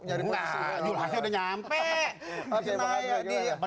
nah zulhasnya udah nyampe